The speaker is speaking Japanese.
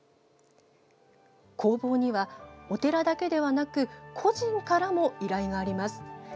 工房には、お寺だけではなく個人からも依頼があります。